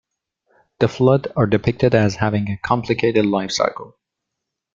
The Flood are depicted as having a complicated lifecycle.